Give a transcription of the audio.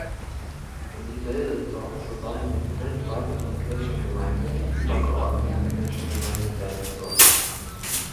Sie bildet dort zusammen mit fünf weiteren Kirchengemeinden die übergeordnete Kirchengemeinde Welzow.